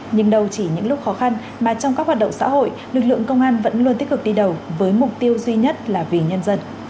nhưng đâu chỉ những lúc khó khăn mà trong các hoạt động xã hội lực lượng công an vẫn luôn tích cực đi đầu với mục tiêu duy nhất là vì nhân dân